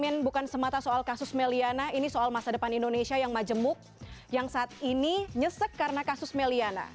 amin bukan semata soal kasus meliana ini soal masa depan indonesia yang majemuk yang saat ini nyesek karena kasus meliana